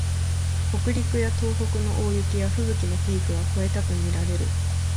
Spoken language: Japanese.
北陸や東北の大雪やふぶきのピークは越えたとみられる